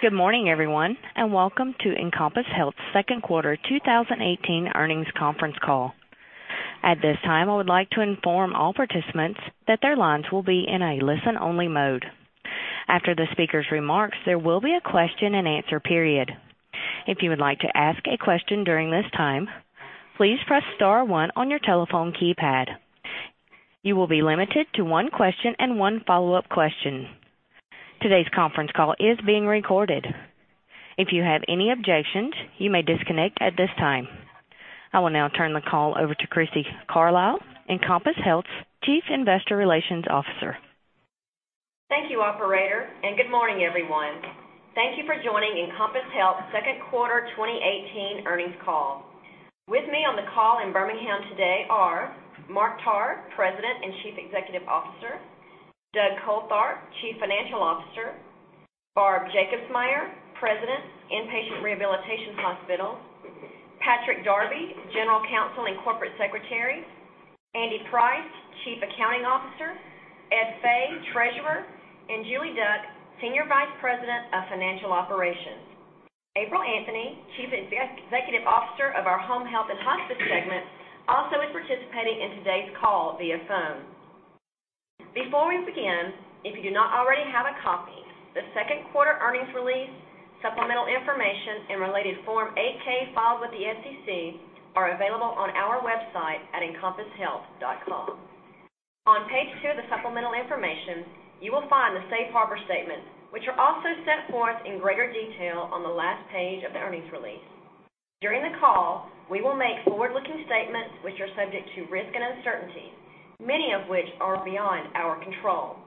Good morning everyone, welcome to Encompass Health second quarter 2018 earnings conference call. At this time, I would like to inform all participants that their lines will be in a listen-only mode. After the speaker's remarks, there will be a question and answer period. If you would like to ask a question during this time, please press star one on your telephone keypad. You will be limited to one question and one follow-up question. Today's conference call is being recorded. If you have any objections, you may disconnect at this time. I will now turn the call over to Crissy Carlisle, Encompass Health's Chief Investor Relations Officer. Thank you, operator, good morning everyone. Thank you for joining Encompass Health second quarter 2018 earnings call. With me on the call in Birmingham today are Mark Tarr, President and Chief Executive Officer. Douglas Coltharp, Chief Financial Officer. Barbara Jacobsmeyer, President, Inpatient Rehabilitation Hospital. Patrick Darby, General Counsel and Corporate Secretary. Andy Price, Chief Accounting Officer. Ed Fay, Treasurer, and Julie Duck, Senior Vice President of Financial Operations. April Anthony, Chief Executive Officer of our Home Health and Hospice segment, also is participating in today's call via phone. Before we begin, if you do not already have a copy, the second quarter earnings release, supplemental information, and related Form 8-K filed with the SEC are available on our website at encompasshealth.com. On page two of the supplemental information, you will find the safe harbor statement, which are also set forth in greater detail on the last page of the earnings release. During the call, we will make forward-looking statements which are subject to risk and uncertainty, many of which are beyond our control.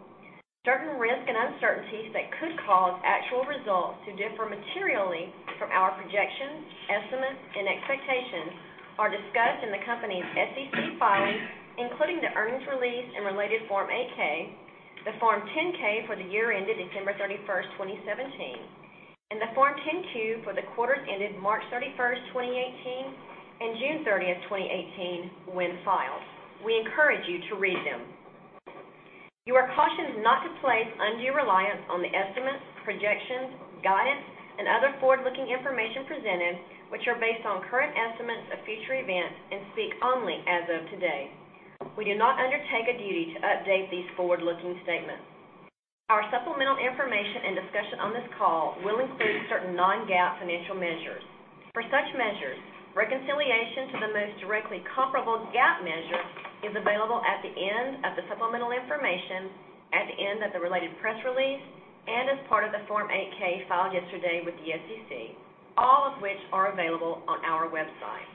Certain risks and uncertainties that could cause actual results to differ materially from our projections, estimates and expectations are discussed in the company's SEC filings, including the earnings release and related Form 8-K, the Form 10-K for the year ended December 31st, 2017, and the Form 10-Q for the quarters ended March 31st, 2018 and June 30th, 2018 when filed. We encourage you to read them. You are cautioned not to place undue reliance on the estimates, projections, guidance and other forward-looking information presented, which are based on current estimates of future events and speak only as of today. We do not undertake a duty to update these forward-looking statements. Our supplemental information and discussion on this call will include certain non-GAAP financial measures. For such measures, reconciliation to the most directly comparable GAAP measure is available at the end of the supplemental information, at the end of the related press release, and as part of the Form 8-K filed yesterday with the SEC, all of which are available on our website.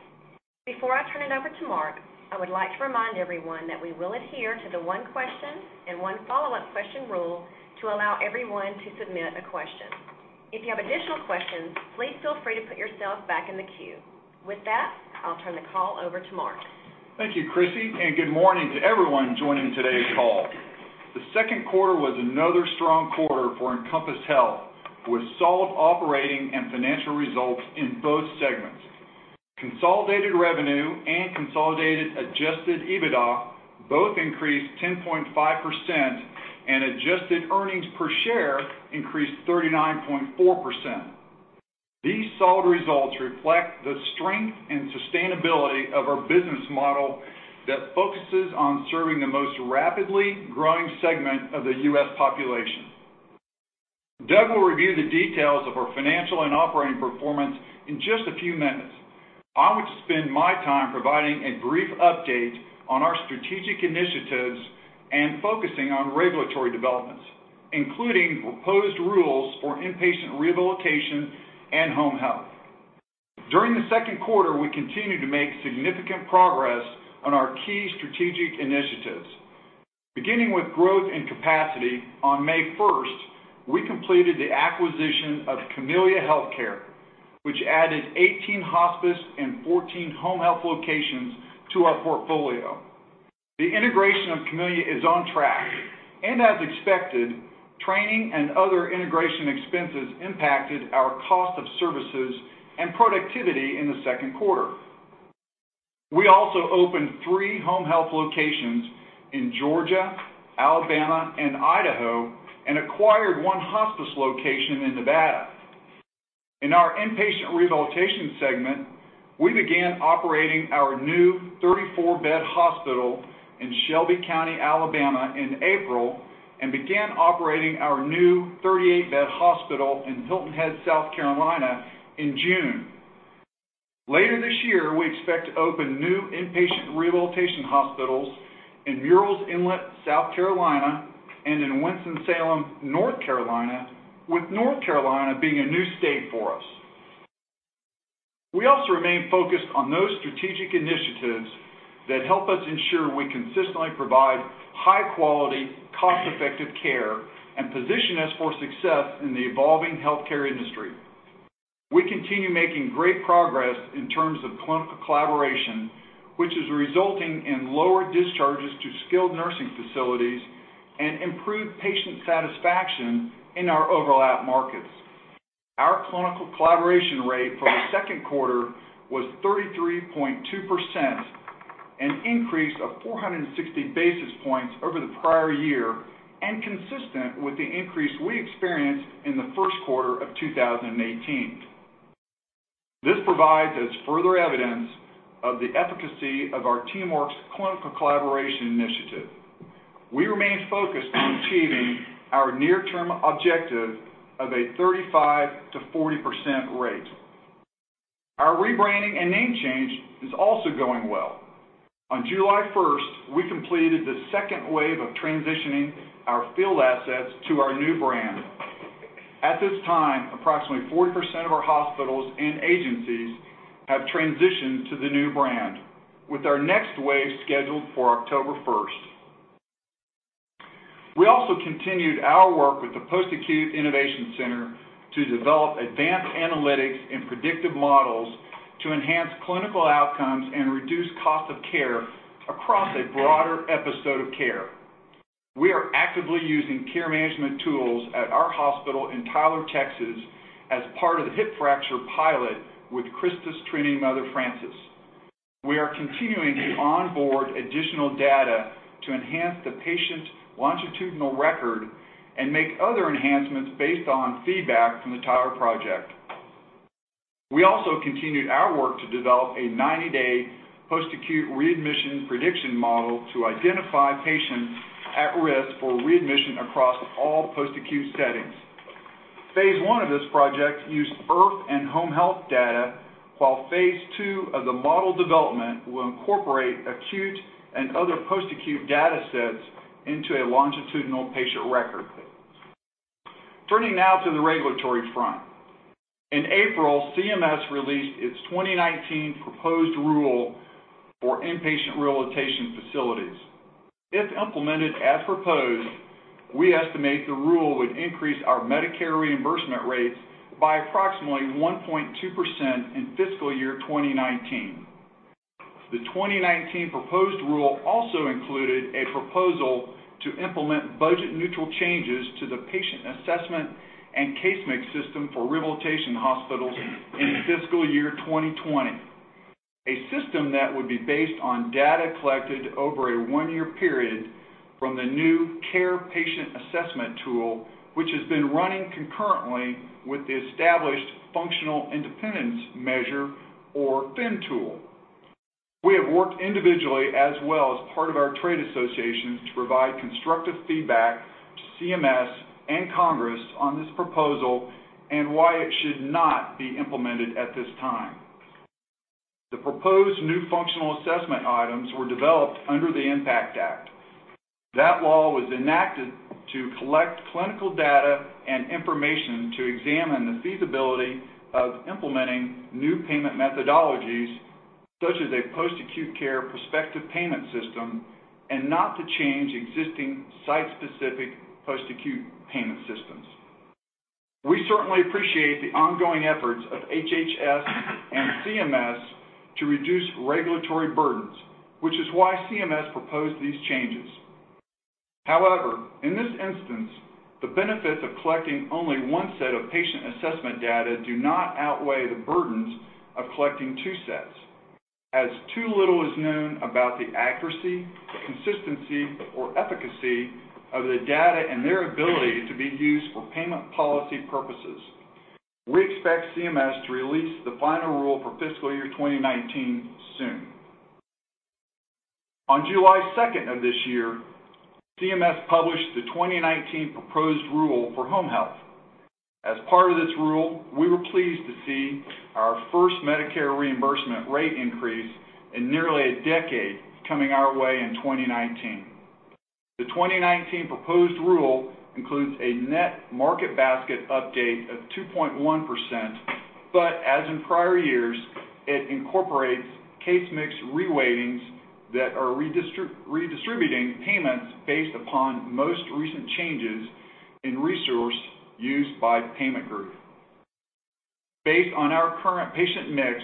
Before I turn it over to Mark, I would like to remind everyone that we will adhere to the one question and one follow-up question rule to allow everyone to submit a question. If you have additional questions, please feel free to put yourself back in the queue. With that, I'll turn the call over to Mark. Thank you, Crissy, and good morning to everyone joining today's call. The second quarter was another strong quarter for Encompass Health, with solid operating and financial results in both segments. Consolidated revenue and consolidated adjusted EBITDA both increased 10.5%, and adjusted earnings per share increased 39.4%. These solid results reflect the strength and sustainability of our business model that focuses on serving the most rapidly growing segment of the U.S. population. Doug will review the details of our financial and operating performance in just a few minutes. I want to spend my time providing a brief update on our strategic initiatives and focusing on regulatory developments, including proposed rules for inpatient rehabilitation and home health. During the second quarter, we continued to make significant progress on our key strategic initiatives. Beginning with growth and capacity, on May 1st, we completed the acquisition of Camellia Healthcare, which added 18 hospice and 14 home health locations to our portfolio. The integration of Camellia is on track, and as expected, training and other integration expenses impacted our cost of services and productivity in the second quarter. We also opened three home health locations in Georgia, Alabama and Idaho, and acquired one hospice location in Nevada. In our Inpatient Rehabilitation segment, we began operating our new 34-bed hospital in Shelby County, Alabama in April and began operating our new 38-bed hospital in Hilton Head, South Carolina in June. Later this year, we expect to open new Inpatient Rehabilitation hospitals in Murrells Inlet, South Carolina, and in Winston-Salem, North Carolina, with North Carolina being a new state for us. We also remain focused on those strategic initiatives that help us ensure we consistently provide high quality, cost-effective care and position us for success in the evolving healthcare industry. We continue making great progress in terms of clinical collaboration, which is resulting in lower discharges to skilled nursing facilities and improved patient satisfaction in our overlap markets. Our clinical collaboration rate for the second quarter was 33.2%, an increase of 460 basis points over the prior year and consistent with the increase we experienced in the first quarter of 2018. This provides us further evidence of the efficacy of our TeamWorks clinical collaboration initiative. We remain focused on achieving our near-term objective of a 35%-40% rate. Our rebranding and name change is also going well. On July 1st, we completed the second wave of transitioning our field assets to our new brand. At this time, approximately 40% of our hospitals and agencies have transitioned to the new brand, with our next wave scheduled for October 1st. We also continued our work with the Post-Acute Innovation Center to develop advanced analytics and predictive models to enhance clinical outcomes and reduce cost of care across a broader episode of care. We are actively using care management tools at our hospital in Tyler, Texas, as part of the hip fracture pilot with CHRISTUS Trinity Mother Frances. We are continuing to onboard additional data to enhance the patient longitudinal record and make other enhancements based on feedback from the Tyler project. We also continued our work to develop a 90-day post-acute readmission prediction model to identify patients at risk for readmission across all post-acute settings. Phase 1 of this project used IRF and home health data, while Phase 2 of the model development will incorporate acute and other post-acute data sets into a longitudinal patient record. Turning now to the regulatory front. In April, CMS released its 2019 proposed rule for inpatient rehabilitation facilities. If implemented as proposed, we estimate the rule would increase our Medicare reimbursement rates by approximately 1.2% in fiscal year 2019. The 2019 proposed rule also included a proposal to implement budget-neutral changes to the patient assessment and case mix system for rehabilitation hospitals in fiscal year 2020. A system that would be based on data collected over a one-year period from the new CARE Patient Assessment tool, which has been running concurrently with the established Functional Independence Measure, or FIM tool. We have worked individually as well as part of our trade associations to provide constructive feedback to CMS and Congress on this proposal and why it should not be implemented at this time. The proposed new functional assessment items were developed under the IMPACT Act. That law was enacted to collect clinical data and information to examine the feasibility of implementing new payment methodologies, such as a post-acute care prospective payment system, and not to change existing site-specific post-acute payment systems. We certainly appreciate the ongoing efforts of HHS and CMS to reduce regulatory burdens, which is why CMS proposed these changes. However, in this instance, the benefits of collecting only 1 set of patient assessment data do not outweigh the burdens of collecting 2 sets, as too little is known about the accuracy, consistency, or efficacy of the data and their ability to be used for payment policy purposes. We expect CMS to release the final rule for fiscal year 2019 soon. On July 2nd of this year, CMS published the 2019 proposed rule for home health. As part of this rule, we were pleased to see our first Medicare reimbursement rate increase in nearly a decade coming our way in 2019. The 2019 proposed rule includes a net market basket update of 2.1%, but as in prior years, it incorporates case mix reweightings that are redistributing payments based upon most recent changes in resource used by payment group. Based on our current patient mix,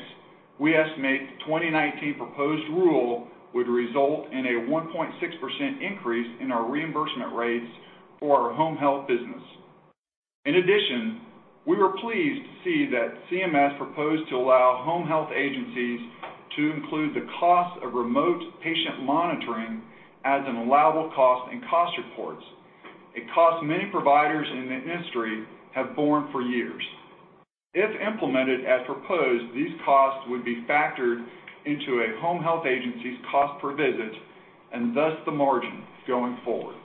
we estimate the 2019 proposed rule would result in a 1.6% increase in our reimbursement rates for our home health business. We were pleased to see that CMS proposed to allow home health agencies to include the cost of remote patient monitoring as an allowable cost in cost reports, a cost many providers in the industry have borne for years. If implemented as proposed, these costs would be factored into a home health agency's cost per visit, thus the margin going forward.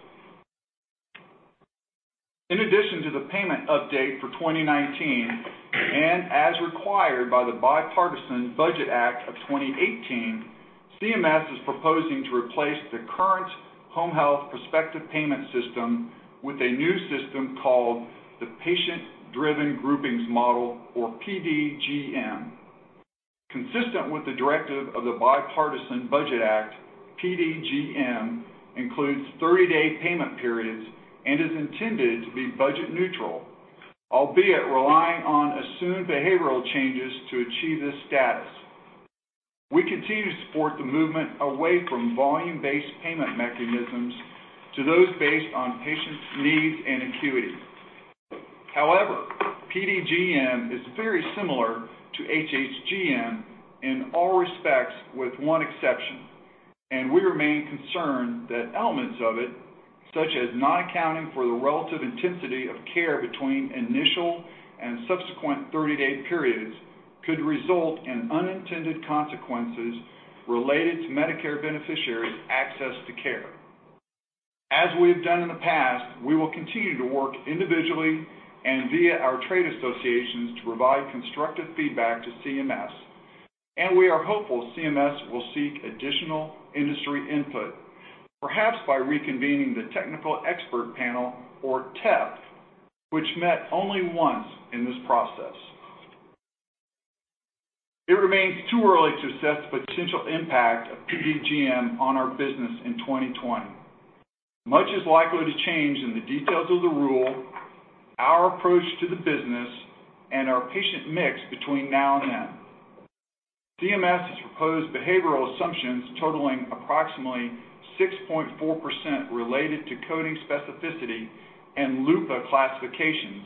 In addition to the payment update for 2019, as required by the Bipartisan Budget Act of 2018, CMS is proposing to replace the current home health prospective payment system with a new system called the Patient-Driven Groupings Model, or PDGM. Consistent with the directive of the Bipartisan Budget Act, PDGM includes 30-day payment periods and is intended to be budget neutral, albeit relying on assumed behavioral changes to achieve this status. We continue to support the movement away from volume-based payment mechanisms to those based on patients' needs and acuity. However, PDGM is very similar to HHGM in all respects with one exception, we remain concerned that elements of it, such as not accounting for the relative intensity of care between initial and subsequent 30-day periods, could result in unintended consequences related to Medicare beneficiaries' access to care. As we have done in the past, we will continue to work individually and via our trade associations to provide constructive feedback to CMS, we are hopeful CMS will seek additional industry input, perhaps by reconvening the Technical Expert Panel, or TEP, which met only once in this process. It remains too early to assess the potential impact of PDGM on our business in 2020. Much is likely to change in the details of the rule, our approach to the business, and our patient mix between now and then. CMS has proposed behavioral assumptions totaling approximately 6.4% related to coding specificity and LUPA classifications,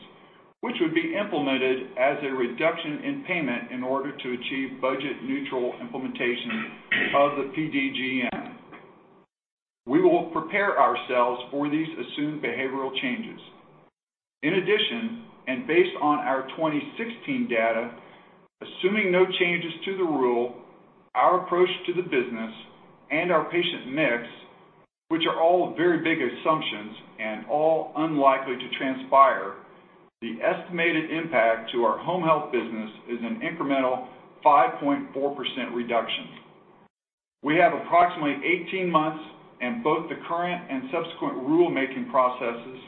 which would be implemented as a reduction in payment in order to achieve budget-neutral implementation of the PDGM. We will prepare ourselves for these assumed behavioral changes. Based on our 2016 data, assuming no changes to the rule, our approach to the business, and our patient mix, which are all very big assumptions and all unlikely to transpire, the estimated impact to our home health business is an incremental 5.4% reduction. We have approximately 18 months in both the current and subsequent rule-making processes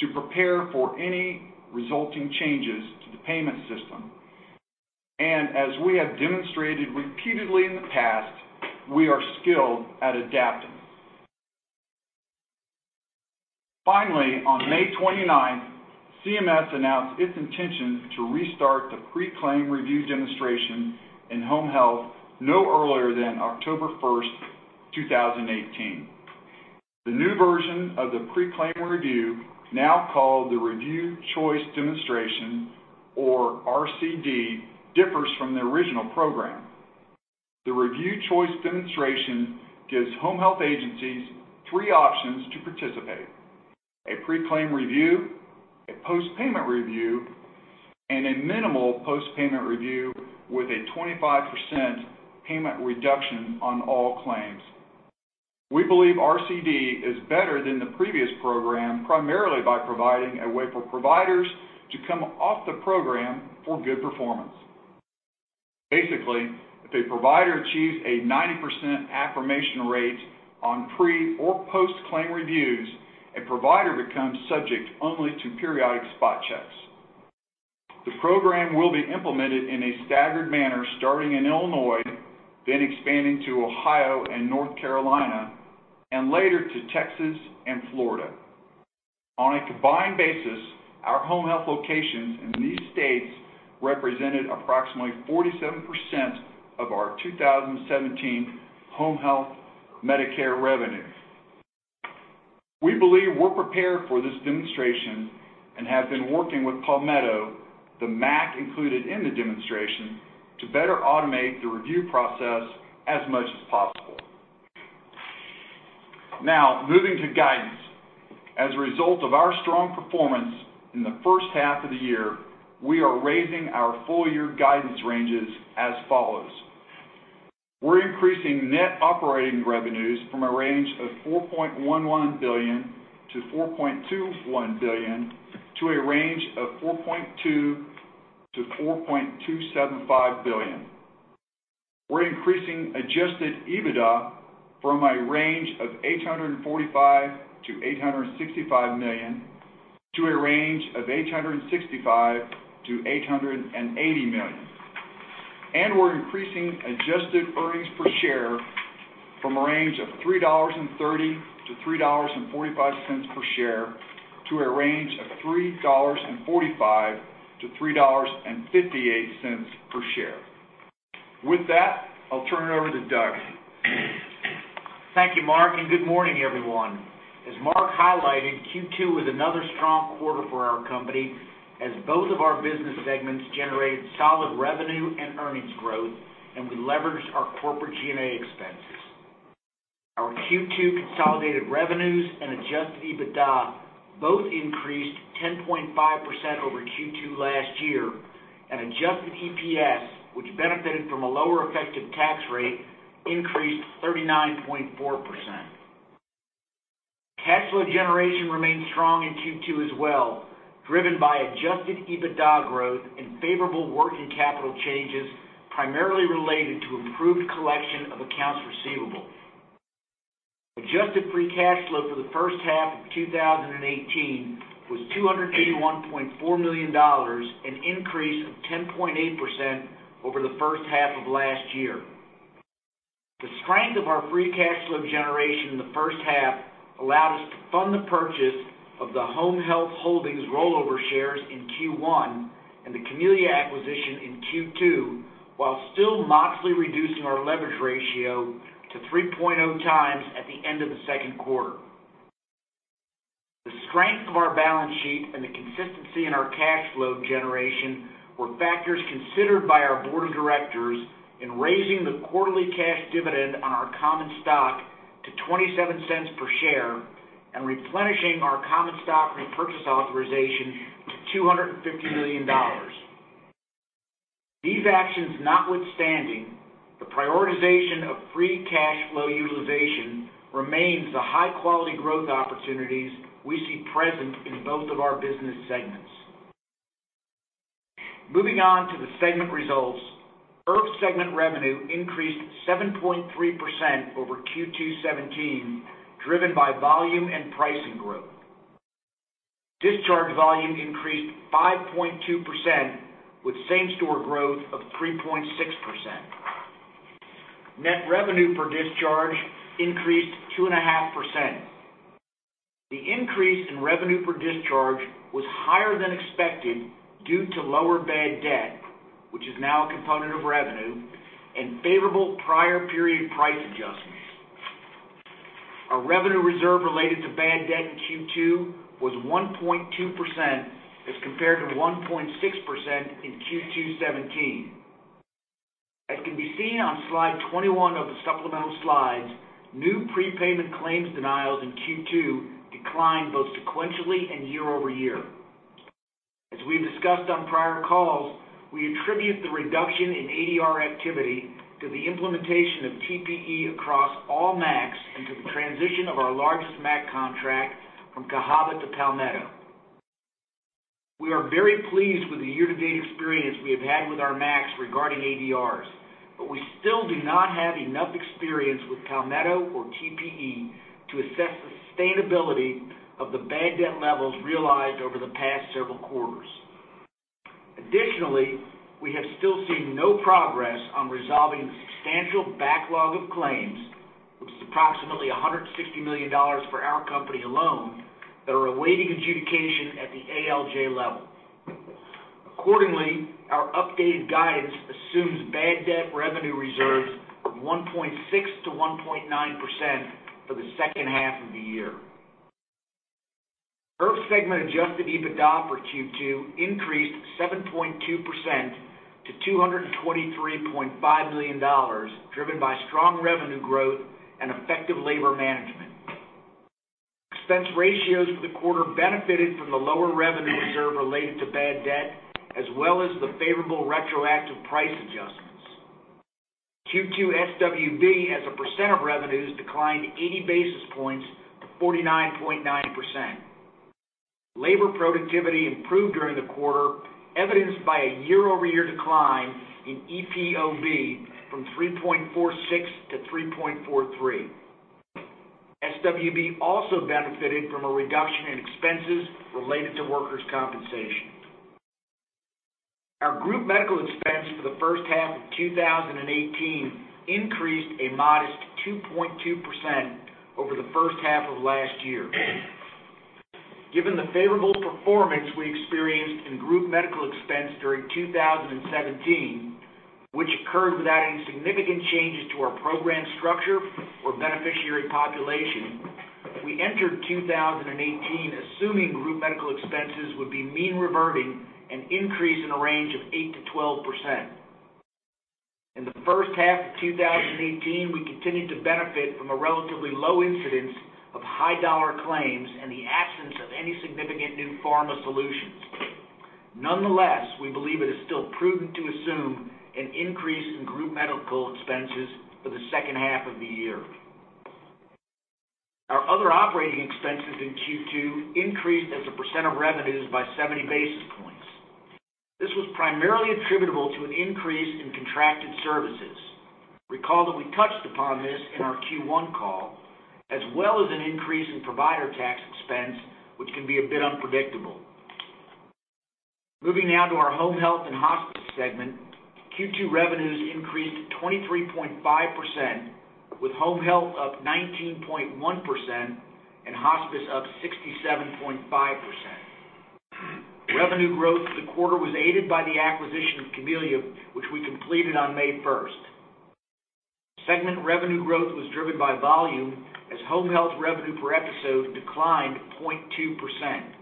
to prepare for any resulting changes to the payment system. As we have demonstrated repeatedly in the past, we are skilled at adapting. On May 29th, CMS announced its intention to restart the Pre-Claim Review demonstration in home health no earlier than October 1st, 2018. The new version of the Pre-Claim Review, now called the Review Choice Demonstration, or RCD, differs from the original program. The Review Choice Demonstration gives home health agencies three options to participate: a pre-claim review, a post-payment review, and a minimal post-payment review with a 25% payment reduction on all claims. We believe RCD is better than the previous program, primarily by providing a way for providers to come off the program for good performance. Basically, if a provider achieves a 90% affirmation rate on pre or post-claim reviews, a provider becomes subject only to periodic spot checks. The program will be implemented in a staggered manner, starting in Illinois, expanding to Ohio and North Carolina, later to Texas and Florida. On a combined basis, our home health locations in these states represented approximately 47% of our 2017 Home Health Medicare revenue. We believe we're prepared for this demonstration and have been working with Palmetto, the MAC included in the demonstration, to better automate the review process as much as possible. Moving to guidance. As a result of our strong performance in the first half of the year, we are raising our full year guidance ranges as follows. We're increasing net operating revenues from a range of $4.11 billion-$4.21 billion, to a range of $4.2 billion-$4.275 billion. We're increasing adjusted EBITDA from a range of $845 million-$865 million, to a range of $865 million-$880 million. We're increasing adjusted earnings per share from a range of $3.30-$3.45 per share, to a range of $3.45-$3.58 per share. With that, I'll turn it over to Doug. Thank you, Mark, and good morning, everyone. As Mark highlighted, Q2 was another strong quarter for our company, as both of our business segments generated solid revenue and earnings growth, and we leveraged our corporate G&A expenses. Our Q2 consolidated revenues and adjusted EBITDA both increased 10.5% over Q2 last year, and adjusted EPS, which benefited from a lower effective tax rate, increased 39.4%. Cash flow generation remained strong in Q2 as well, driven by adjusted EBITDA growth and favorable working capital changes, primarily related to improved collection of accounts receivable. Adjusted free cash flow for the first half of 2018 was $281.4 million, an increase of 10.8% over the first half of last year. The strength of our free cash flow generation in the first half allowed us to fund the purchase of the Home Health Holdings rollover shares in Q1 and the Camellia acquisition in Q2. While still modestly reducing our leverage ratio to 3.0 times at the end of the second quarter. The strength of our balance sheet and the consistency in our cash flow generation were factors considered by our board of directors in raising the quarterly cash dividend on our common stock to $0.27 per share and replenishing our common stock repurchase authorization to $250 million. These actions notwithstanding, the prioritization of free cash flow utilization remains the high-quality growth opportunities we see present in both of our business segments. Moving on to the segment results, IRF segment revenue increased 7.3% over Q2 2017, driven by volume and pricing growth. Discharge volume increased 5.2%, with same-store growth of 3.6%. Net revenue per discharge increased 2.5%. The increase in revenue per discharge was higher than expected due to lower bad debt, which is now a component of revenue, and favorable prior period price adjustments. Our revenue reserve related to bad debt in Q2 was 1.2% as compared to 1.6% in Q2 2017. As can be seen on slide 21 of the supplemental slides, new prepayment claims denials in Q2 declined both sequentially and year-over-year. As we've discussed on prior calls, we attribute the reduction in ADR activity to the implementation of TPE across all MACs and to the transition of our largest MAC contract from Cahaba to Palmetto. We are very pleased with the year-to-date experience we have had with our MACs regarding ADRs, but we still do not have enough experience with Palmetto or TPE to assess the sustainability of the bad debt levels realized over the past several quarters. Additionally, we have still seen no progress on resolving the substantial backlog of claims, which is approximately $160 million for our company alone, that are awaiting adjudication at the ALJ level. Accordingly, our updated guidance assumes bad debt revenue reserves of 1.6%-1.9% for the second half of the year. IRF segment adjusted EBITDA for Q2 increased 7.2% to $223.5 million, driven by strong revenue growth and effective labor management. Expense ratios for the quarter benefited from the lower revenue reserve related to bad debt, as well as the favorable retroactive price adjustments. Q2 SWB as a percent of revenues declined 80 basis points to 49.9%. Labor productivity improved during the quarter, evidenced by a year-over-year decline in EPOB from 3.46 to 3.43. SWB also benefited from a reduction in expenses related to workers' compensation. Our group medical expense for the first half of 2018 increased a modest 2.2% over the first half of last year. Given the favorable performance we experienced in group medical expense during 2017, which occurred without any significant changes to our program structure or beneficiary population, we entered 2018 assuming group medical expenses would be mean reverting, an increase in the range of 8%-12%. In the first half of 2018, we continued to benefit from a relatively low incidence of high-dollar claims and the absence of any significant new pharma solutions. Nonetheless, we believe it is still prudent to assume an increase in group medical expenses for the second half of the year. Our other operating expenses in Q2 increased as a percent of revenues by 70 basis points. This was primarily attributable to an increase in contracted services. Recall that we touched upon this in our Q1 call, as well as an increase in provider tax expense, which can be a bit unpredictable. Moving now to our Home Health and Hospice segment, Q2 revenues increased 23.5%, with home health up 19.1% and hospice up 67.5%. Revenue growth for the quarter was aided by the acquisition of Camellia, which we completed on May 1st. Segment revenue growth was driven by volume, as home health revenue per episode declined 0.2%.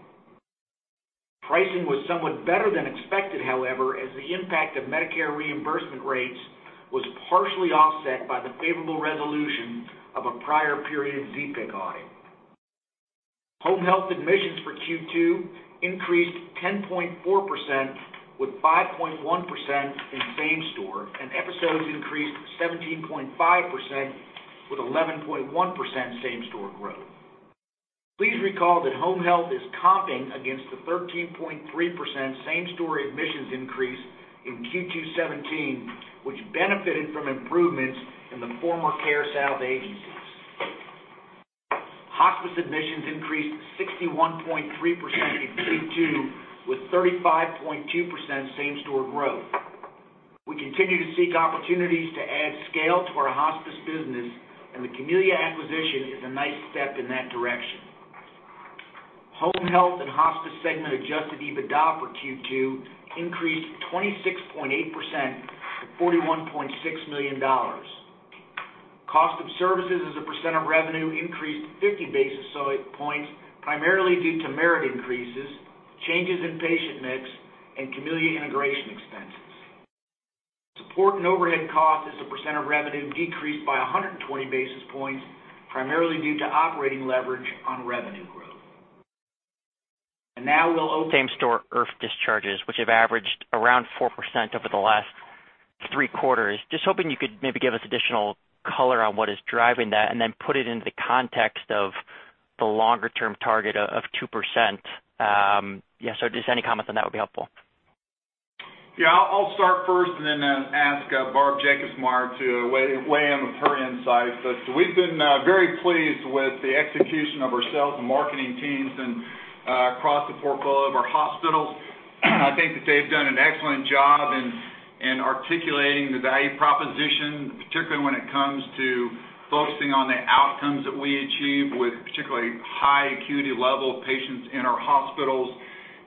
Pricing was somewhat better than expected, however, as the impact of Medicare reimbursement rates was partially offset by the favorable resolution of a prior period ZPIC audit. Home health admissions for Q2 increased 10.4%, with 5.1% in same store, and episodes increased 17.5%, with 11.1% same-store growth. Please recall that home health is comping against the 13.3% same-store admissions increase in Q2 2017, which benefited from improvements in the former CareSouth agencies. Hospice admissions increased 61.3% in Q2, with 35.2% same-store growth. We continue to seek opportunities to add scale to our hospice business, and the Camellia acquisition is a nice step in that direction. Home health and hospice segment adjusted EBITDA for Q2 increased 26.8% to $41.6 million. Cost of services as a % of revenue increased 50 basis points, primarily due to merit increases, changes in patient mix, and Community Integration expenses. Support and overhead cost as a % of revenue decreased by 120 basis points, primarily due to operating leverage on revenue growth. Now we'll open. Same-store IRF discharges, which have averaged around 4% over the last three quarters. Just hoping you could maybe give us additional color on what is driving that, and then put it into the context of the longer-term target of 2%. Any comments on that would be helpful. I'll start first and then ask Barb Jacobsmeyer to weigh in with her insights. We've been very pleased with the execution of our sales and marketing teams and across the portfolio of our hospitals. I think that they've done an excellent job in articulating the value proposition, particularly when it comes to focusing on the outcomes that we achieve with particularly high acuity level of patients in our hospitals.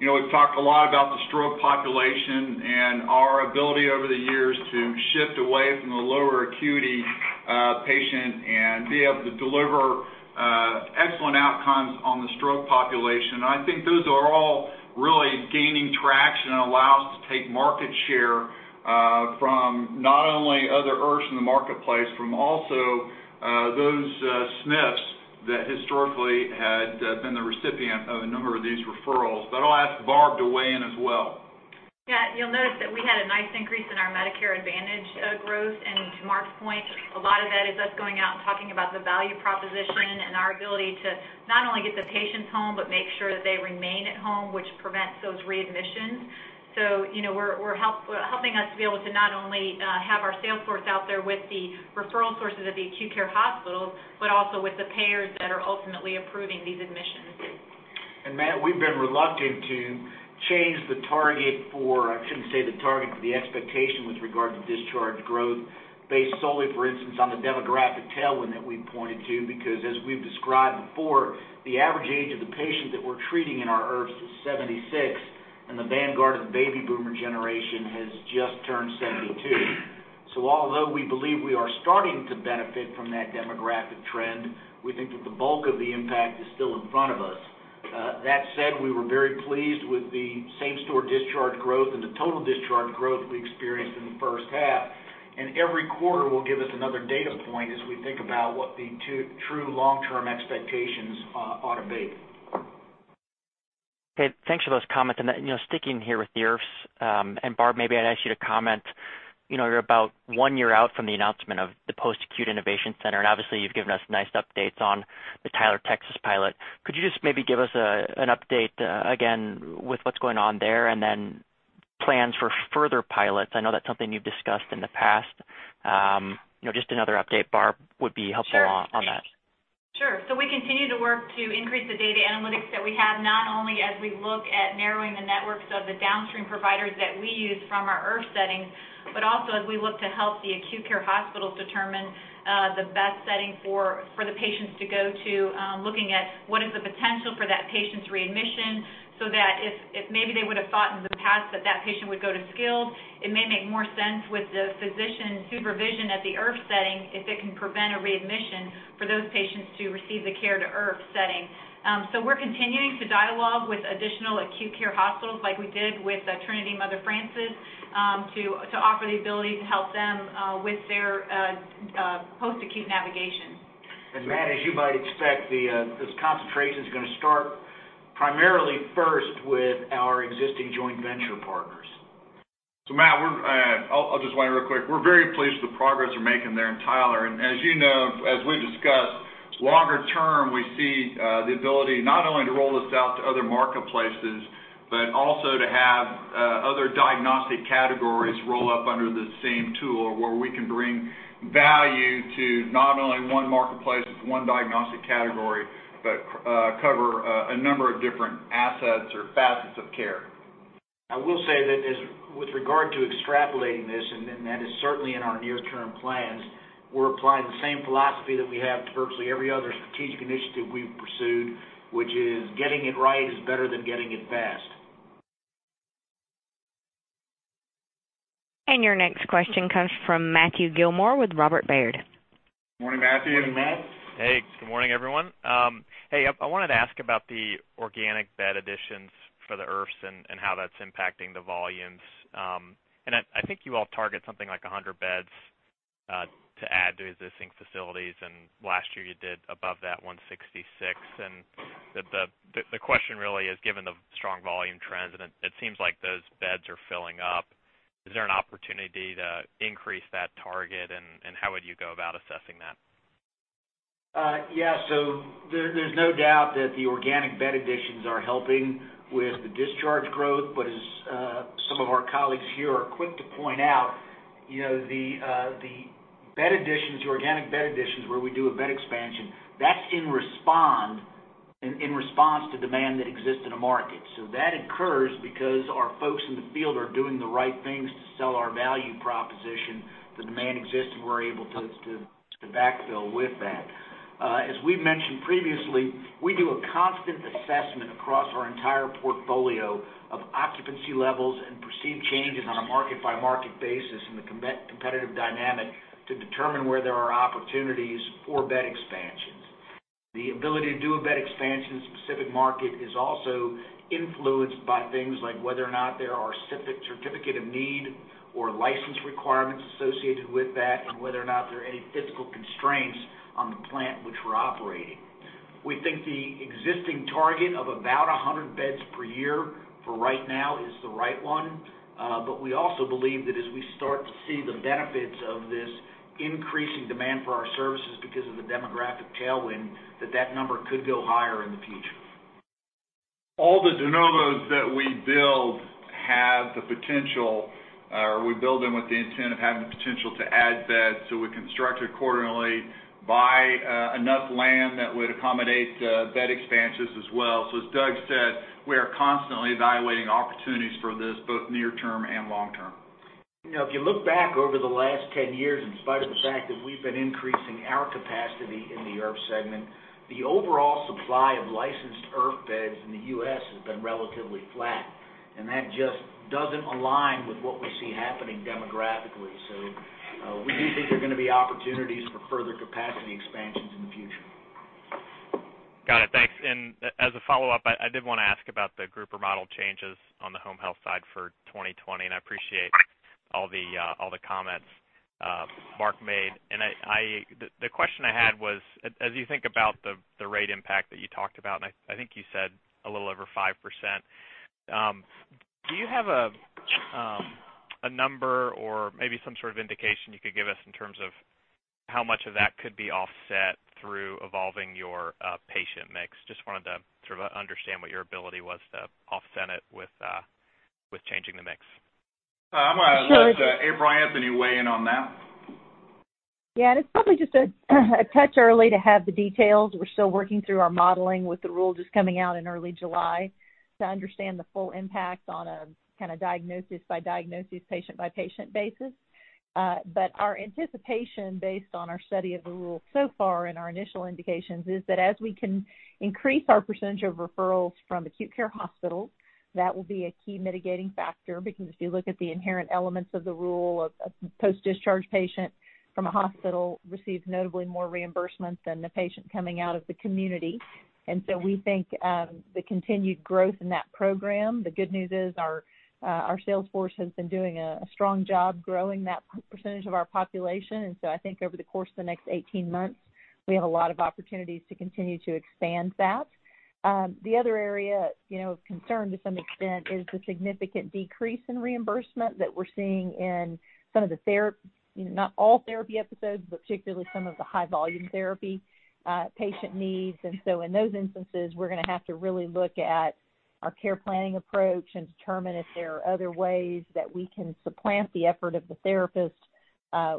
We've talked a lot about the stroke population and our ability over the years to shift away from the lower acuity patient and be able to deliver excellent outcomes on the stroke population. I think those are all really gaining traction and allow us to take market share from not only other IRFs in the marketplace, from also those SNFs that historically had been the recipient of a number of these referrals. I'll ask Barb to weigh in as well. You'll notice that we had a nice increase in our Medicare Advantage growth. To Mark Tarr's point, a lot of that is us going out and talking about the value proposition and our ability to not only get the patients home, but make sure that they remain at home, which prevents those readmissions. We're helping us to be able to not only have our sales force out there with the referral sources at the acute care hospitals, but also with the payers that are ultimately approving these admissions. Matthew, we've been reluctant to change the target for the expectation with regard to discharge growth based solely, for instance, on the demographic tailwind that we pointed to, because as we've described before, the average age of the patient that we're treating in our IRFs is 76, and the vanguard of the baby boomer generation has just turned 72. Although we believe we are starting to benefit from that demographic trend, we think that the bulk of the impact is still in front of us. That said, we were very pleased with the same-store discharge growth and the total discharge growth we experienced in the first half. Every quarter will give us another data point as we think about what the two true long-term expectations ought to be. Thanks for those comments. Sticking here with the IRFs, Barbara, maybe I'd ask you to comment. You're about one year out from the announcement of the Post-Acute Innovation Center, and obviously you've given us nice updates on the Tyler, Texas pilot. Could you just maybe give us an update again, with what's going on there, and then plans for further pilots? I know that's something you've discussed in the past. Just another update, Barbara, would be helpful on that. Sure. We continue to work to increase the data analytics that we have, not only as we look at narrowing the networks of the downstream providers that we use from our IRF settings, but also as we look to help the acute care hospitals determine the best setting for the patients to go to, looking at what is the potential for that patient's readmission, so that if maybe they would have thought in the past that that patient would go to skilled, it may make more sense with the physician supervision at the IRF setting if it can prevent a readmission for those patients to receive the care at our IRF setting. We're continuing to dialogue with additional acute care hospitals like we did with CHRISTUS Trinity Mother Frances, to offer the ability to help them with their post-acute navigation. Matt, as you might expect, this concentration's going to start primarily first with our existing joint venture partners. Matt, we're, I'll just weigh in real quick. We're very pleased with the progress we're making there in Tyler. As you know, as we've discussed, longer term, we see the ability not only to roll this out to other marketplaces but also to have other diagnostic categories roll up under the same tool where we can bring value to not only one marketplace with one diagnostic category but cover a number of different assets or facets of care. I will say that as with regard to extrapolating this, and that is certainly in our near-term plans, we're applying the same philosophy that we have to virtually every other strategic initiative we've pursued, which is getting it right is better than getting it fast. Your next question comes from Matthew Gillmor with Robert W. Baird. Morning, Matthew. Morning, Matt. Hey, good morning, everyone. Hey, I wanted to ask about the organic bed additions for the IRFs and how that's impacting the volumes. I think you all target something like 100 beds to add to existing facilities, and last year you did above that, 166. The question really is, given the strong volume trends, and it seems like those beds are filling up, is there an opportunity to increase that target, and how would you go about assessing that? Yeah. There's no doubt that the organic bed additions are helping with the discharge growth. As some of our colleagues here are quick to point out, the bed additions or organic bed additions, where we do a bed expansion, that's in response to demand that exists in a market. That occurs because our folks in the field are doing the right things to sell our value proposition. The demand exists, and we're able to backfill with that. As we've mentioned previously, we do a constant assessment across our entire portfolio of occupancy levels and perceived changes on a market-by-market basis and the competitive dynamic to determine where there are opportunities for bed expansions. The ability to do a bed expansion in a specific market is also influenced by things like whether or not there are Certificate of Need or license requirements associated with that, and whether or not there are any physical constraints on the plant which we're operating. We think the existing target of about 100 beds per year for right now is the right one. We also believe that as we start to see the benefits of this increasing demand for our services because of the demographic tailwind, that that number could go higher in the future. All the de novos that we build have the potential, or we build them with the intent of having the potential to add beds. We construct accordingly, buy enough land that would accommodate bed expansions as well. As Doug said, we are constantly evaluating opportunities for this, both near-term and long-term. If you look back over the last 10 years, in spite of the fact that we've been increasing our capacity in the IRF segment, the overall supply of licensed IRF beds in the U.S. has been relatively flat. That just doesn't align with what we see happening demographically. We do think there are going to be opportunities for further capacity expansions in the future. Got it. Thanks. As a follow-up, I did want to ask about the grouper model changes on the Home Health side for 2020, I appreciate all the comments Mark made. The question I had was, as you think about the rate impact that you talked about, I think you said a little over 5%, do you have a number or maybe some sort of indication you could give us in terms of how much of that could be offset through evolving your patient mix? Just wanted to sort of understand what your ability was to offset it with changing the mix. I'm going to let April Anthony weigh in on that. It's probably just a touch early to have the details. We're still working through our modeling with the rule just coming out in early July to understand the full impact on a kind of diagnosis-by-diagnosis, patient-by-patient basis. Our anticipation, based on our study of the rule so far and our initial indications, is that as we can increase our percentage of referrals from acute care hospitals, that will be a key mitigating factor, because if you look at the inherent elements of the rule, a post-discharge patient from a hospital receives notably more reimbursement than the patient coming out of the community. We think the continued growth in that program, the good news is our sales force has been doing a strong job growing that percentage of our population. I think over the course of the next 18 months, we have a lot of opportunities to continue to expand that. The other area of concern to some extent is the significant decrease in reimbursement that we're seeing in some of the therapy, not all therapy episodes, but particularly some of the high volume therapy patient needs. In those instances, we're going to have to really look at our care planning approach and determine if there are other ways that we can supplant the effort of the therapist,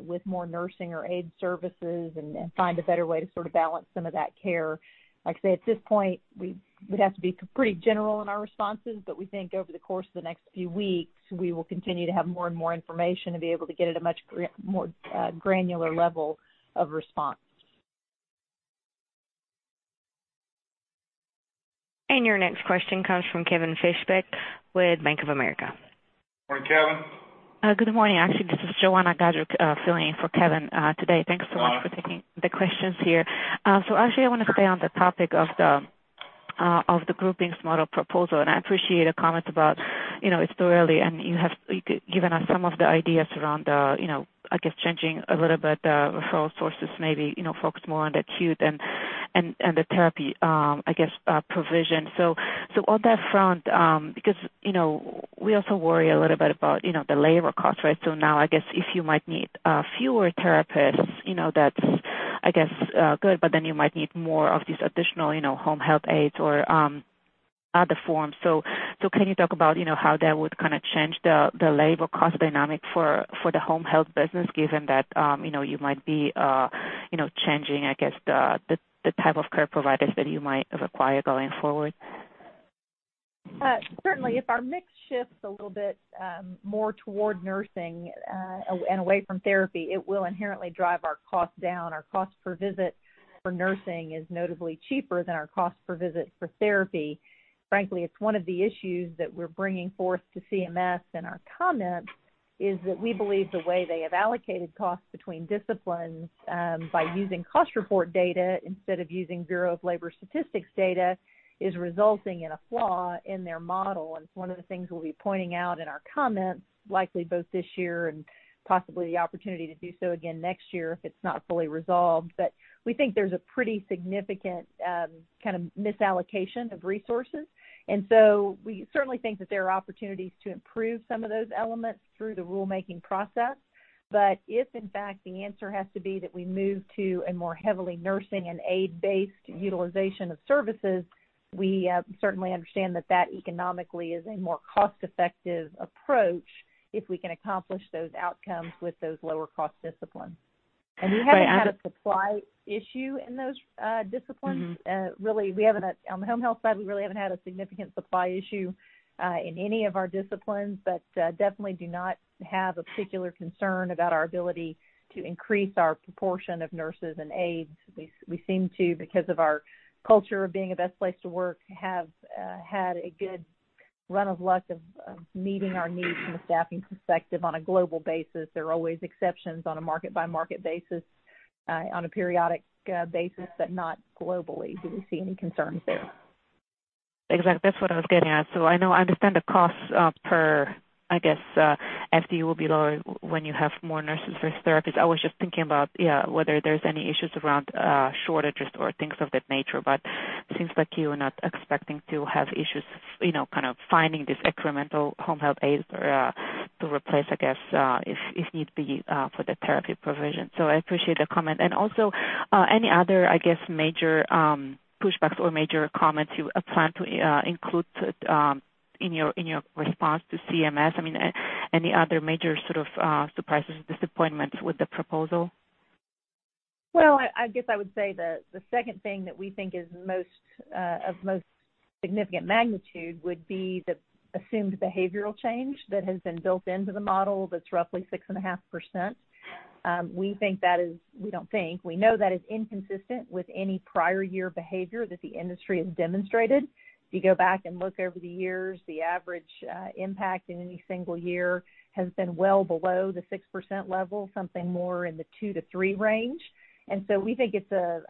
with more nursing or aid services and find a better way to sort of balance some of that care. Like I say, at this point, we would have to be pretty general in our responses. We think over the course of the next few weeks, we will continue to have more and more information and be able to get at a much more granular level of response. Your next question comes from Kevin Fischbeck with Bank of America. Morning, Kevin. Good morning. Actually, this is Joanna Gajuk filling in for Kevin today. Thanks so much for taking the questions here. Actually, I want to stay on the topic of the Groupings Model proposal, and I appreciate the comments about it's still early, and you have given us some of the ideas around, I guess, changing a little bit the referral sources, maybe, focus more on the acute and the therapy, I guess, provision. On that front, because we also worry a little bit about the labor cost, right? Now, I guess if you might need fewer therapists, that's, I guess, good, but then you might need more of these additional home health aides or other forms. Can you talk about how that would kind of change the labor cost dynamic for the Home Health business, given that you might be changing, I guess, the type of care providers that you might require going forward? Certainly. If our mix shifts a little bit more toward nursing and away from therapy, it will inherently drive our cost down. Our cost per visit for nursing is notably cheaper than our cost per visit for therapy. Frankly, it's one of the issues that we're bringing forth to CMS in our comments is that we believe the way they have allocated costs between disciplines, by using cost report data instead of using Bureau of Labor Statistics data, is resulting in a flaw in their model. It's one of the things we'll be pointing out in our comments, likely both this year and possibly the opportunity to do so again next year if it's not fully resolved. We think there's a pretty significant kind of misallocation of resources. We certainly think that there are opportunities to improve some of those elements through the rulemaking process. If, in fact, the answer has to be that we move to a more heavily nursing and aide-based utilization of services, we certainly understand that that economically is a more cost-effective approach if we can accomplish those outcomes with those lower cost disciplines. We haven't had a supply issue in those disciplines. Really, on the Home Health side, we really haven't had a significant supply issue, in any of our disciplines. Definitely do not have a particular concern about our ability to increase our proportion of nurses and aides. We seem to, because of our culture of being a best place to work, have had a good run of luck of meeting our needs from a staffing perspective on a global basis. There are always exceptions on a market-by-market basis, on a periodic basis, but not globally, do we see any concerns there. Exactly. That's what I was getting at. I understand the costs per, I guess, FD will be lower when you have more nurses versus therapists. I was just thinking about whether there's any issues around shortages or things of that nature, but it seems like you're not expecting to have issues finding these incremental home health aides to replace, I guess, if need be, for the therapy provision. I appreciate the comment. Also, any other, I guess, major pushbacks or major comments you plan to include in your response to CMS? I mean, any other major sort of surprises or disappointments with the proposal? Well, I guess I would say the second thing that we think is of most significant magnitude would be the assumed behavioral change that has been built into the model, that's roughly 6.5%. We know that is inconsistent with any prior year behavior that the industry has demonstrated. If you go back and look over the years, the average impact in any single year has been well below the 6% level, something more in the 2-3 range. We think it's a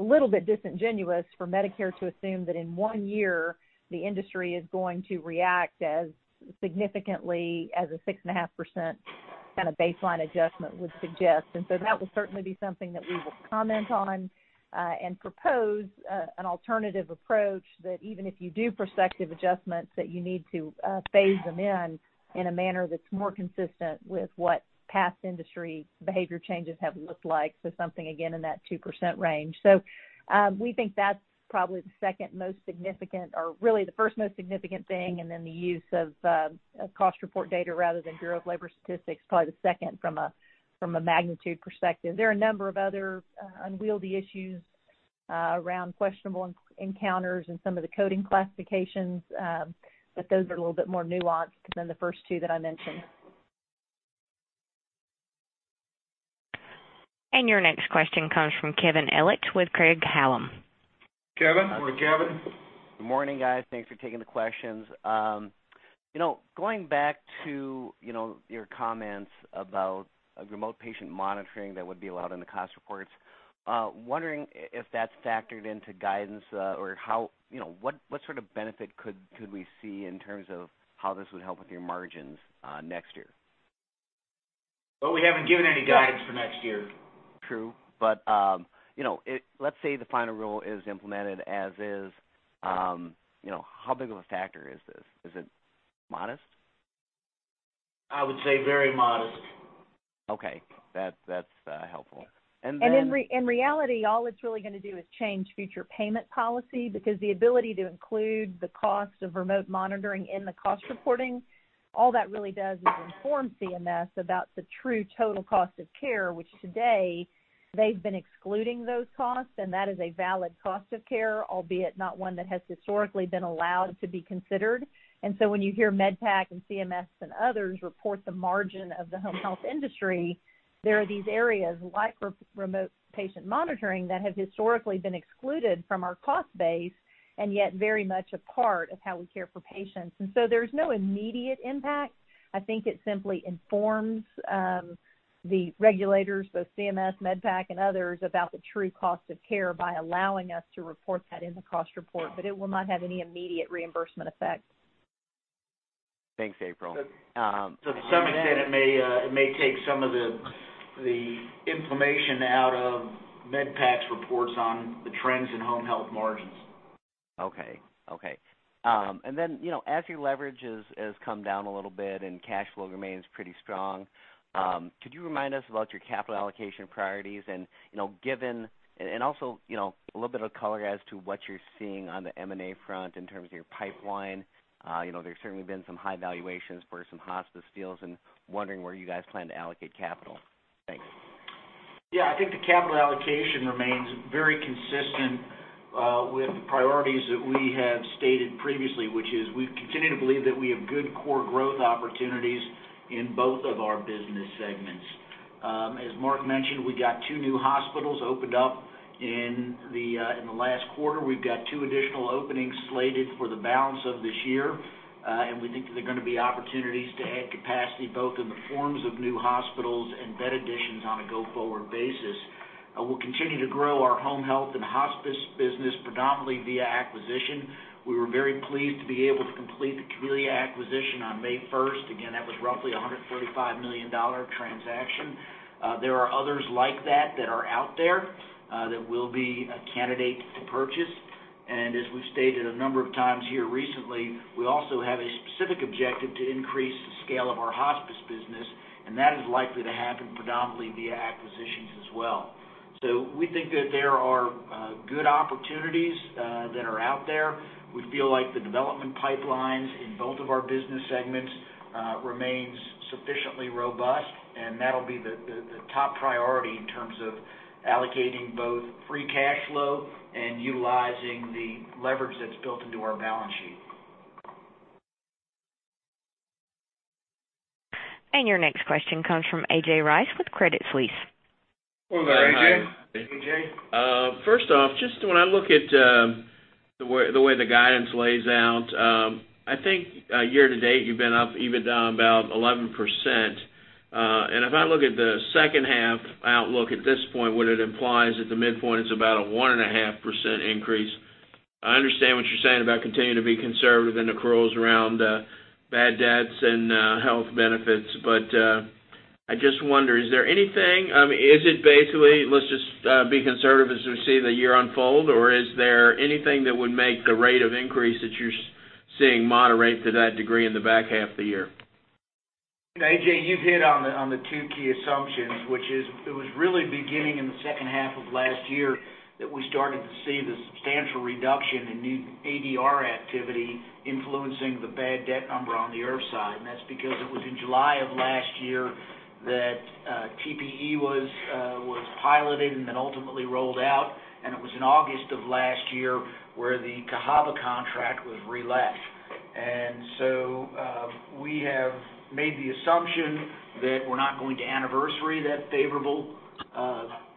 little bit disingenuous for Medicare to assume that in one year, the industry is going to react as significantly as a 6.5% baseline adjustment would suggest. That will certainly be something that we will comment on, and propose an alternative approach that even if you do prospective adjustments, that you need to phase them in in a manner that's more consistent with what past industry behavior changes have looked like. Something, again, in that 2% range. We think that's probably the second most significant, or really the first most significant thing, and then the use of cost report data rather than Bureau of Labor Statistics, probably the second from a magnitude perspective. There are a number of other unwieldy issues around questionable encounters and some of the coding classifications, but those are a little bit more nuanced than the first two that I mentioned. Your next question comes from Kevin Ellich with Craig-Hallum. Kevin. Morning, Kevin. Good morning, guys. Thanks for taking the questions. Going back to your comments about remote patient monitoring that would be allowed in the cost reports, wondering if that's factored into guidance or what sort of benefit could we see in terms of how this would help with your margins next year? Well, we haven't given any guidance for next year. True. Let's say the final rule is implemented as is, how big of a factor is this? Is it modest? I would say very modest. Okay. That's helpful. In reality, all it's really gonna do is change future payment policy, because the ability to include the cost of remote monitoring in the cost reporting, all that really does is inform CMS about the true total cost of care, which today they've been excluding those costs, and that is a valid cost of care, albeit not one that has historically been allowed to be considered. When you hear MedPAC and CMS and others report the margin of the home health industry, there are these areas like remote patient monitoring that have historically been excluded from our cost base, and yet very much a part of how we care for patients. There's no immediate impact. I think it simply informs the regulators, both CMS, MedPAC and others, about the true cost of care by allowing us to report that in the cost report, it will not have any immediate reimbursement effect. Thanks, April. To some extent, it may take some of the inflammation out of MedPAC's reports on the trends in home health margins. Okay. As your leverage has come down a little bit and cash flow remains pretty strong, could you remind us about your capital allocation priorities and also a little bit of color as to what you're seeing on the M&A front in terms of your pipeline? There's certainly been some high valuations for some hospice deals and wondering where you guys plan to allocate capital. Thanks. Yeah. I think the capital allocation remains very consistent, with the priorities that we have stated previously, which is we continue to believe that we have good core growth opportunities in both of our business segments. As Mark mentioned, we got two new hospitals opened up in the last quarter. We've got two additional openings slated for the balance of this year. We think that there are gonna be opportunities to add capacity, both in the forms of new hospitals and bed additions on a go-forward basis. We'll continue to grow our home health and hospice business predominantly via acquisition. We were very pleased to be able to complete the Community acquisition on May 1st. Again, that was roughly a $145 million transaction. There are others like that that are out there, that will be a candidate to purchase. As we've stated a number of times here recently, we also have a specific objective to increase the scale of our hospice business, and that is likely to happen predominantly via acquisition. Well, we think that there are good opportunities that are out there. We feel like the development pipelines in both of our business segments remains sufficiently robust, and that'll be the top priority in terms of allocating both free cash flow and utilizing the leverage that's built into our balance sheet. Your next question comes from A.J. Rice with Credit Suisse. Go ahead, A.J. Hi, A.J. AJ. First off, just when I look at the way the guidance lays out, I think year-to-date, you've been up, EBITDA about 11%. If I look at the second half outlook at this point, what it implies at the midpoint is about a 1.5% increase. I understand what you're saying about continuing to be conservative in the accruals around bad debts and health benefits. I just wonder, is it basically, let's just be conservative as we see the year unfold, or is there anything that would make the rate of increase that you're seeing moderate to that degree in the back half of the year? A.J., you've hit on the two key assumptions, which is, it was really beginning in the second half of last year that we started to see the substantial reduction in new ADR activity influencing the bad debt number on the IRF side. That's because it was in July of last year that TPE was piloted and then ultimately rolled out, and it was in August of last year where the Cahaba contract was relet. We have made the assumption that we're not going to anniversary that favorable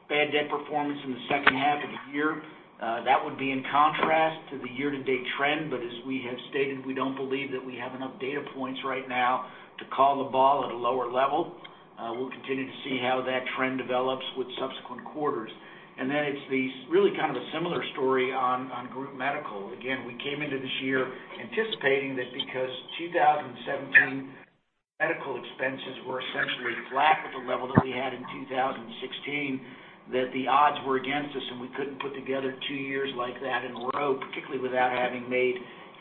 bad debt performance in the second half of the year. That would be in contrast to the year-to-date trend, as we have stated, we don't believe that we have enough data points right now to call the ball at a lower level. We'll continue to see how that trend develops with subsequent quarters. It's the really kind of a similar story on group medical. Again, we came into this year anticipating that because 2017 medical expenses were essentially flat with the level that we had in 2016, that the odds were against us, and we couldn't put together two years like that in a row, particularly without having made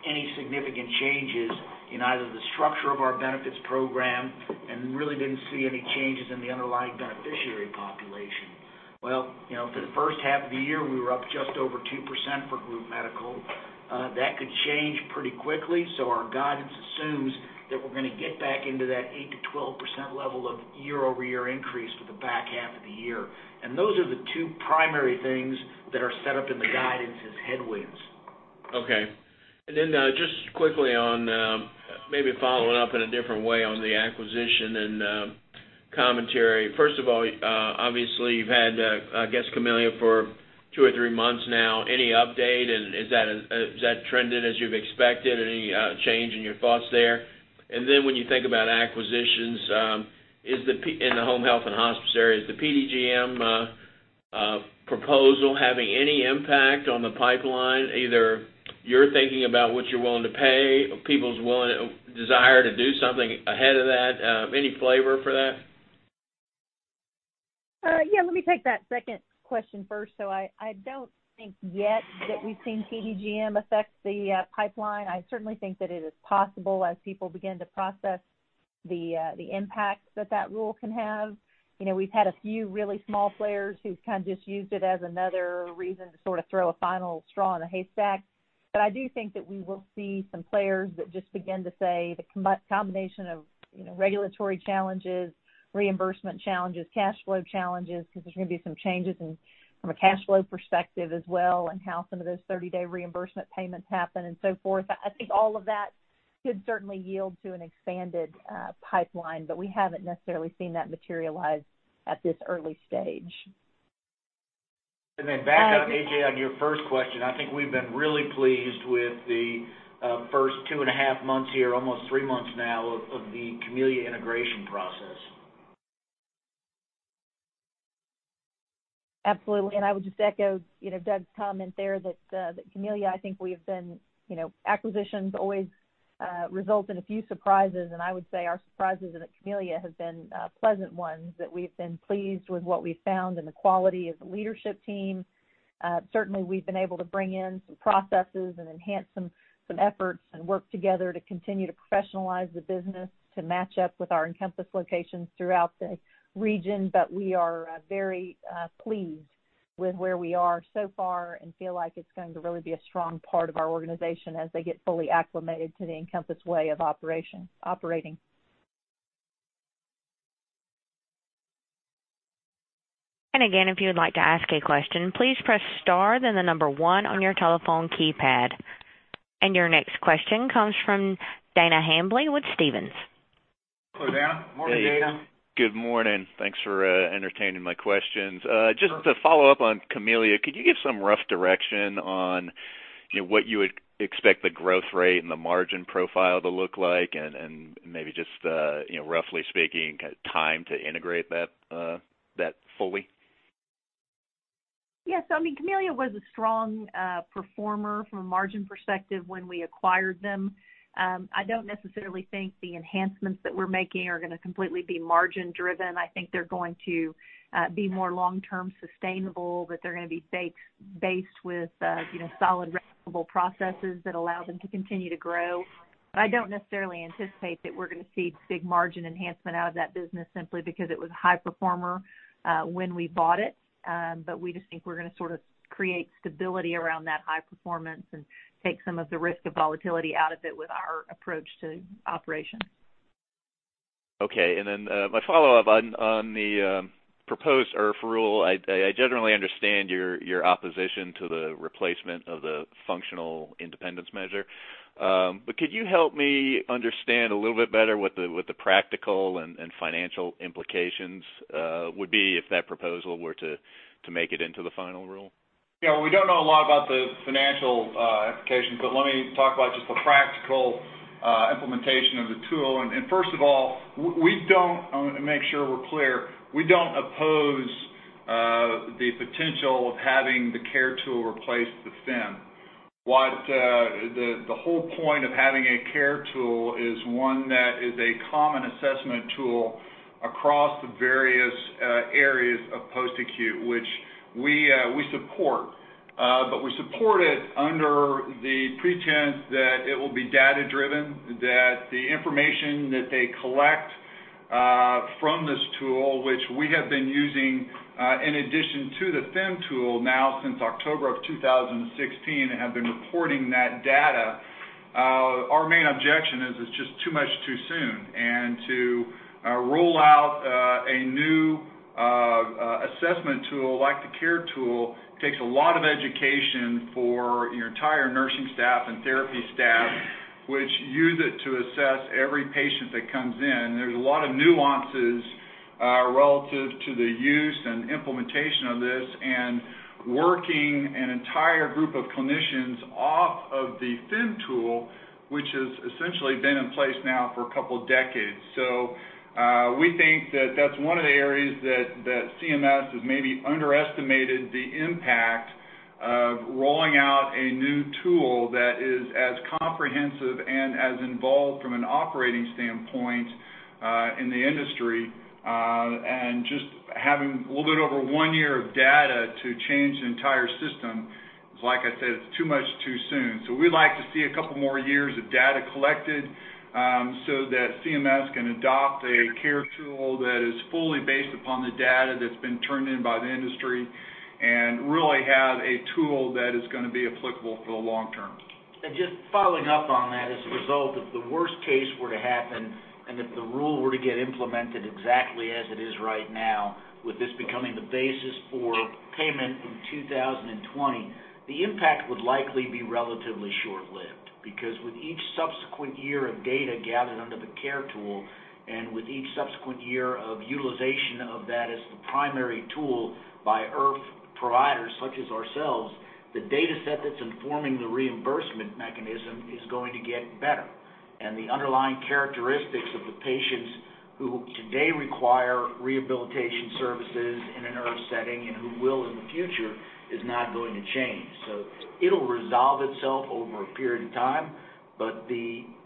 any significant changes in either the structure of our benefits program and really didn't see any changes in the underlying beneficiary population. Well, for the first half of the year, we were up just over 2% for group medical. That could change pretty quickly, so our guidance assumes that we're going to get back into that 8%-12% level of year-over-year increase for the back half of the year. Those are the two primary things that are set up in the guidance as headwinds. Okay. Just quickly on, maybe following up in a different way on the acquisition and commentary. First of all, obviously, you've had, I guess, Camellia for two or three months now. Any update? Is that trended as you've expected? Any change in your thoughts there? When you think about acquisitions, in the home health and hospice areas, the PDGM proposal having any impact on the pipeline, either you're thinking about what you're willing to pay, people's desire to do something ahead of that? Any flavor for that? Yeah, let me take that second question first. I don't think yet that we've seen PDGM affect the pipeline. I certainly think that it is possible as people begin to process the impacts that rule can have. We've had a few really small players who've kind of just used it as another reason to sort of throw a final straw in a haystack. I do think that we will see some players that just begin to say the combination of regulatory challenges, reimbursement challenges, cash flow challenges, because there's going to be some changes in from a cash flow perspective as well, and how some of those 30-day reimbursement payments happen and so forth. I think all of that could certainly yield to an expanded pipeline, but we haven't necessarily seen that materialize at this early stage. Back up, A.J., on your first question. I think we've been really pleased with the first two and a half months here, almost three months now, of the Camellia integration process. Absolutely. I would just echo Doug's comment there that Camellia, I think we've been Acquisitions always result in a few surprises, and I would say our surprises in Camellia have been pleasant ones, that we've been pleased with what we've found and the quality of the leadership team. Certainly, we've been able to bring in some processes and enhance some efforts and work together to continue to professionalize the business to match up with our Encompass locations throughout the region. We are very pleased with where we are so far and feel like it's going to really be a strong part of our organization as they get fully acclimated to the Encompass way of operating. Again, if you would like to ask a question, please press star, then number 1 on your telephone keypad. Your next question comes from Dana Hambly with Stephens Inc. Hello, Dana. Morning, Dana. Hey. Good morning. Thanks for entertaining my questions. Just to follow up on Camellia, could you give some rough direction on what you would expect the growth rate and the margin profile to look like, and maybe just roughly speaking, time to integrate that fully? Yes. I mean, Camellia was a strong performer from a margin perspective when we acquired them. I don't necessarily think the enhancements that we're making are going to completely be margin driven. I think they're going to be more long-term sustainable, but they're going to be based with solid, replicable processes that allow them to continue to grow. I don't necessarily anticipate that we're going to see big margin enhancement out of that business simply because it was a high performer when we bought it. We just think we're going to sort of create stability around that high performance and take some of the risk of volatility out of it with our approach to operations. Okay. My follow-up on the proposed IRF rule, I generally understand your opposition to the replacement of the Functional Independence Measure. Could you help me understand a little bit better what the practical and financial implications would be if that proposal were to make it into the final rule? Yeah. We don't know a lot about the financial implications, but let me talk about just the practical implementation of the tool. First of all, I want to make sure we're clear, we don't oppose the potential of having the CARE tool replace the FIM. The whole point of having a CARE tool is one that is a common assessment tool across the various areas of post-acute, which we support. We support it under the pretense that it will be data-driven, that the information that they collect from this tool, which we have been using, in addition to the FIM tool, now since October of 2016, and have been reporting that data. Our main objection is it's just too much too soon. To roll out a new assessment tool like the CARE tool takes a lot of education for your entire nursing staff and therapy staff, which use it to assess every patient that comes in. There's a lot of nuances relative to the use and implementation of this, and working an entire group of clinicians off of the FIM tool, which has essentially been in place now for a couple of decades. We think that that's one of the areas that CMS has maybe underestimated the impact of rolling out a new tool that is as comprehensive and as involved from an operating standpoint, in the industry. Just having a little bit over one year of data to change the entire system is, like I said, it's too much too soon. We'd like to see a couple more years of data collected, so that CMS can adopt a CARE tool that is fully based upon the data that's been turned in by the industry and really have a tool that is going to be applicable for the long term. Just following up on that, as a result, if the worst case were to happen, and if the rule were to get implemented exactly as it is right now, with this becoming the basis for payment in 2020, the impact would likely be relatively short-lived. Because with each subsequent year of data gathered under the CARE tool, and with each subsequent year of utilization of that as the primary tool by IRF providers such as ourselves, the data set that's informing the reimbursement mechanism is going to get better. The underlying characteristics of the patients who today require rehabilitation services in an IRF setting and who will in the future, is not going to change. It'll resolve itself over a period of time, but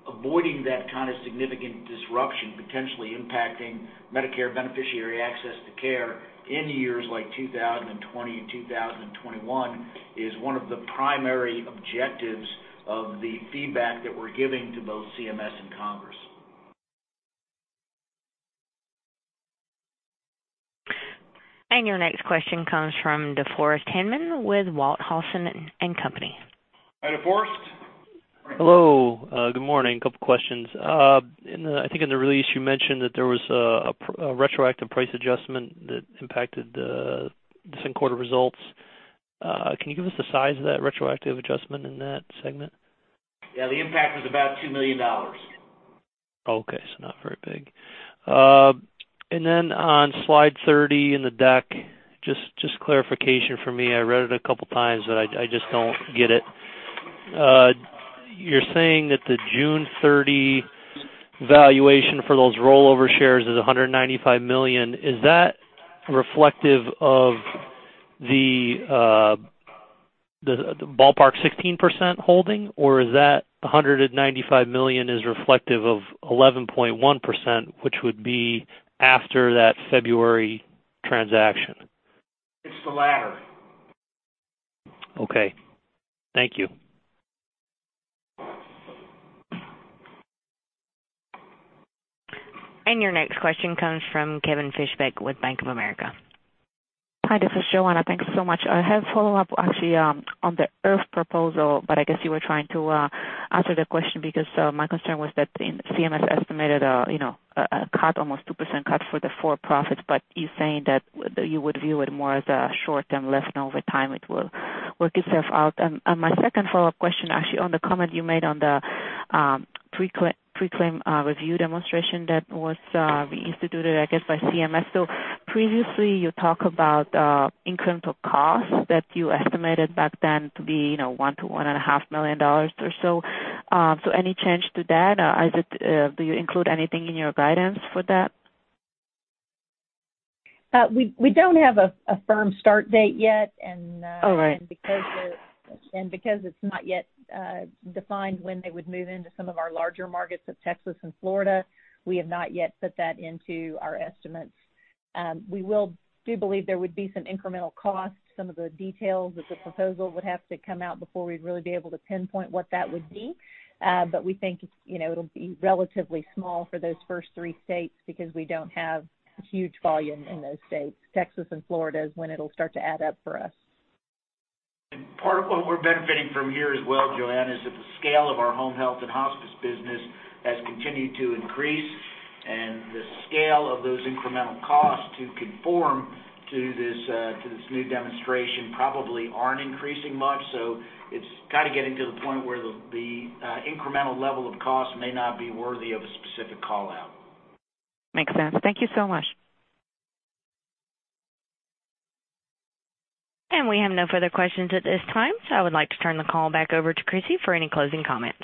avoiding that kind of significant disruption, potentially impacting Medicare beneficiary access to care in years like 2020 and 2021, is one of the primary objectives of the feedback that we're giving to both CMS and Congress. Your next question comes from DeForest Hinman with Walthausen & Co. Hi, DeForest. Hello. Good morning. A couple of questions. I think in the release you mentioned that there was a retroactive price adjustment that impacted the second quarter results. Can you give us the size of that retroactive adjustment in that segment? Yeah, the impact was about $2 million. Okay, not very big. On slide 30 in the deck, just clarification for me. I read it a couple of times, but I just don't get it. You're saying that the June 30 valuation for those rollover shares is $195 million. Is that reflective of the ballpark 16% holding, or is that $195 million is reflective of 11.1%, which would be after that February transaction? It's the latter. Okay. Thank you. Your next question comes from Kevin Fischbeck with Bank of America. Hi, this is Joanna. Thanks so much. I have follow-up actually on the IRF proposal. I guess you were trying to answer the question because my concern was that CMS estimated almost 2% cut for the for-profits. You're saying that you would view it more as a short-term lessening over time, it will work itself out. My second follow-up question actually on the comment you made on the Pre-Claim Review demonstration that was reinstituted, I guess, by CMS. Previously, you talk about incremental costs that you estimated back then to be $1 million-$1.5 million or so. Any change to that? Do you include anything in your guidance for that? We don't have a firm start date yet. All right Because it's not yet defined when they would move into some of our larger markets of Texas and Florida, we have not yet put that into our estimates. We do believe there would be some incremental costs. Some of the details of the proposal would have to come out before we'd really be able to pinpoint what that would be. We think it'll be relatively small for those first three states because we don't have huge volume in those states. Texas and Florida is when it'll start to add up for us. Part of what we're benefiting from here as well, Joanna, is that the scale of our home health and hospice business has continued to increase, and the scale of those incremental costs to conform to this new demonstration probably aren't increasing much. It's kind of getting to the point where the incremental level of cost may not be worthy of a specific call-out. Makes sense. Thank you so much. We have no further questions at this time, so I would like to turn the call back over to Crissy for any closing comments.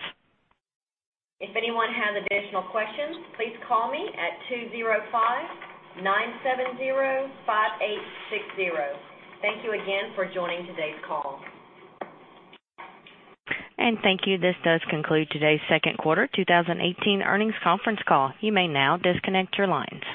If anyone has additional questions, please call me at 205-970-5860. Thank you again for joining today's call. Thank you. This does conclude today's second quarter 2018 earnings conference call. You may now disconnect your lines.